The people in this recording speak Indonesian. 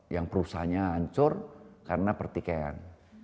yang perusahaannya hancur karena pertikaian